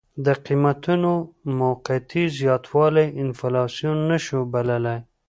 د قیمتونو موقتي زیاتوالی انفلاسیون نه شو بللی.